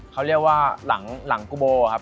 เขาเรียกว่าหลังกุโบครับ